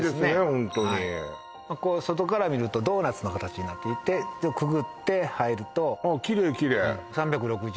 ホントに外から見るとドーナツの形になっていてくぐって入るとああキレイキレイ３６０